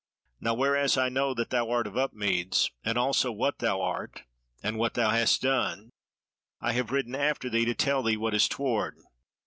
Now whereas I know that thou art of Upmeads, and also what thou art, and what thou hast done, I have ridden after thee to tell thee what is toward.